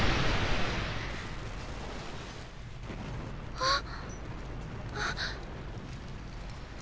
あっ。